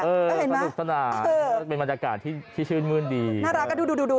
เออสนุกสนานมันเป็นบรรยากาศที่ชื่นมื้นดีครับน่ารักนะดู